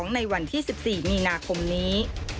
ในวันที่๑๔มีนาคมนี้